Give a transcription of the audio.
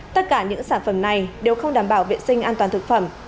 tất cả những sản phẩm này đều không đảm bảo vệ sinh an toàn thực phẩm